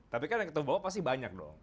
tapi kan yang ketemu bapak pasti banyak dong